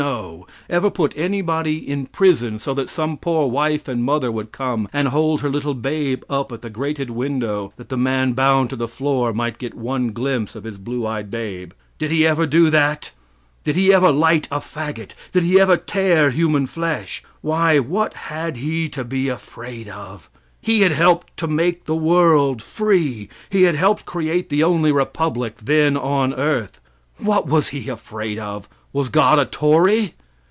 No. Ever put anybody in prison so that some poor wife and mother would come and hold her little babe up at the grated window that the man bound to the floor might get one glimpse of his blue eyed babe? Did he ever do that?" "Did he ever light a fagot? Did he ever tear human flesh? Why, what had he to be afraid of? He had helped to make the world free. He had helped create the only republic then on the earth. What was he afraid of? Was God a tory?